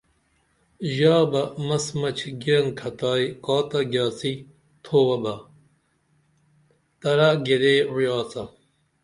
ژا بہ مس مچ گیرن کھتائی کا تہ گیاڅی تھوبہ بہ ترا گیدے وعی آڅا